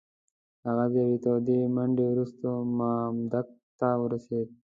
هغه د یوې تودې منډې وروسته مامدک ته ورسېد.